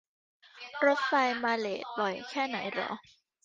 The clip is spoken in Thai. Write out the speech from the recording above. รถไฟมาเลทบ่อยแค่ไหนหรอ